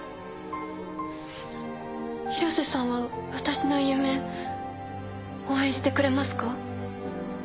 広瀬さんは私の夢応援してくれますか？